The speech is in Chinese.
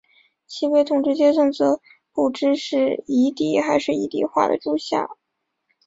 其被统治阶层则不知是夷狄还是夷狄化的诸夏。